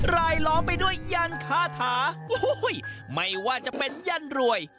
ล้อมไปด้วยยันคาถาไม่ว่าจะเป็นยันรวย